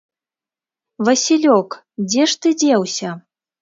Васілёк, дзе ж ты дзеўся?